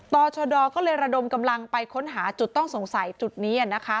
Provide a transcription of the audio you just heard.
ต่อชดก็เลยระดมกำลังไปค้นหาจุดต้องสงสัยจุดนี้นะคะ